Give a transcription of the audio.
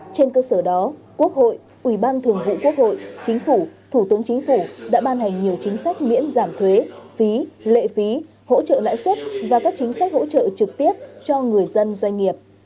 trên cơ sở đó quốc hội ubthqh chính phủ thủ tướng chính phủ đã ban hành nhiều chính sách miễn giảm thuế phí lệ phí hỗ trợ lãi suất và các chính sách hỗ trợ trực tiếp cho người dân doanh nghiệp